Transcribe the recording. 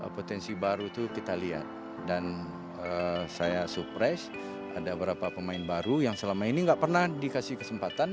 potensi baru itu kita lihat dan saya surprise ada beberapa pemain baru yang selama ini nggak pernah dikasih kesempatan